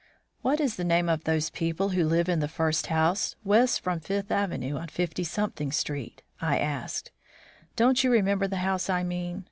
"What is the name of those people who live in the first house west from Fifth Avenue on Fifty Street?" I asked. "Don't you remember the house I mean?